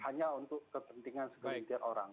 hanya untuk kepentingan segelintir orang